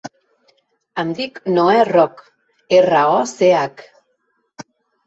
Em dic Noè Roch: erra, o, ce, hac.